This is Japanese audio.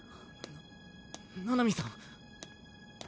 な七海さん。